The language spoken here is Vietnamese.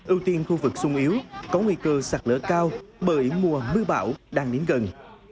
ưu tiên khu vực sung yếu có nguy cơ sạt lửa cao bởi mùa mưa bão đang đến gần